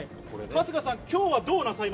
春日さん。